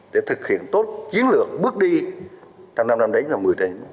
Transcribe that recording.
để thực hiện tốt chiến lược bước đi trong năm năm đấy là một mươi tháng